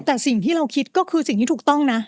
แต่สิ่งที่เราคิดก็คือสิ่งที่ถูกต้องนะ